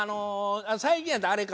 最近やったらあれか。